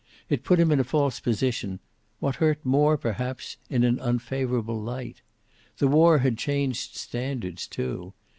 It put him in a false position; what hurt more, perhaps, in an unfavorable light. The war had changed standards, too.